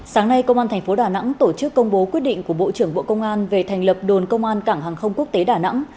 sáng nay công an thành phố đà nẵng tổ chức công bố quyết định của bộ trưởng bộ công an về thành lập đồn công an cảng hàng không quốc tế đà nẵng